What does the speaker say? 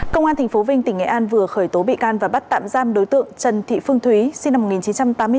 công an tp vinh tỉnh nghệ an vừa khởi tố bị can và bắt tạm giam đối tượng trần thị phương thúy sinh năm một nghìn chín trăm tám mươi bốn